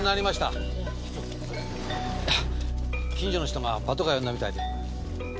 近所の人がパトカー呼んだみたいで。